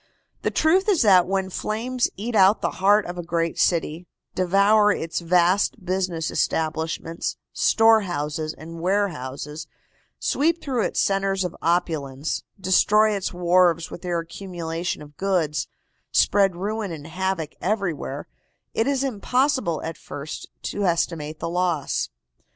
The truth is that when flames eat out the heart of a great city, devour its vast business establishments, storehouses and warehouses, sweep through its centres of opulence, destroy its wharves with their accumulation of goods, spread ruin and havoc everywhere, it is impossible at first to estimate the loss.